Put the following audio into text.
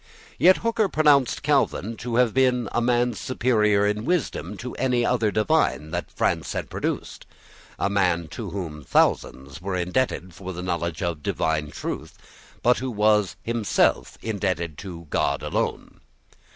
Yet Hooker pronounced Calvin to have been a man superior in wisdom to any other divine that France had produced, a man to whom thousands were indebted for the knowledge of divine truth, but who was himself indebted to God alone.